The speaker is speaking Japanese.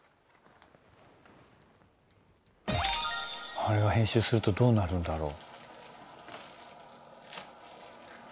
あれが編集するとどうなるんだろう。